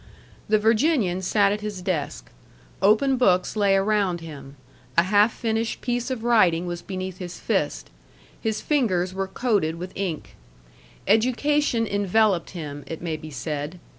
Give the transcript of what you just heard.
The Virginian sat at his desk. Open books lay around him; a half finished piece of writing was beneath his fist; his fingers were coated with ink. Education enveloped him, it may be said.